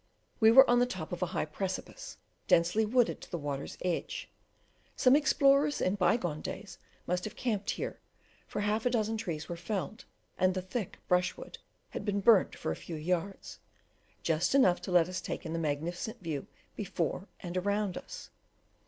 We were on the top of a high precipice, densely wooded to the water's edge. Some explorers in bygone days must have camped here, for half a dozen trees were felled, and the thick brush wood had been burnt for a few yards, just enough to let us take in the magnificent view before and around us.